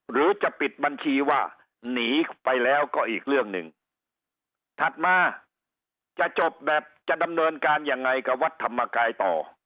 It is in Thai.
หรือจะปิดบัญชีว่าหนีไปแล้วก็อีกเรื่องหนึ่งถัดมาจะจบแบบจะดำเนินการยังไงกับวัดธรรมกายต่อ